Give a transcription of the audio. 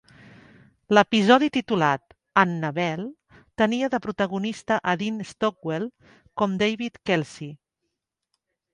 L'episodi, titulat "Annabel," tenia de protagonista a Dean Stockwell com David Kelsey